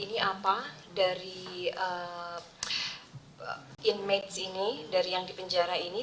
sebetulnya orang dari jerman di warga ini lebih banyak pemebeli orang itu jugaway